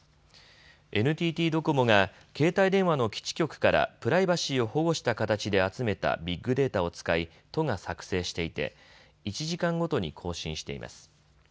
ＮＴＴドコモが携帯電話の基地局からプライバシーを保護した形で集めたビッグデータを使い都が作成していて１時間ごとに更新しています。